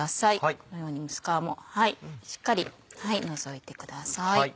このように薄皮もしっかり除いてください。